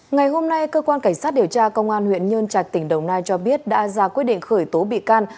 ngày hôm nay cơ quan cảnh sát điều tra công an huyện nhân trạch tỉnh đồng nai cho biết đã ra quyết định khởi tố bị can